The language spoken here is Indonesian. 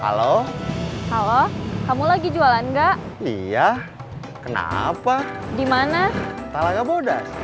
halo halo kamu lagi jualan enggak iya kenapa dimana talaga muda